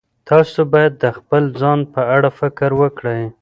تاسو باید د خپل ځان په اړه فکر وکړئ.